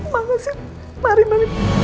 makasih pak rima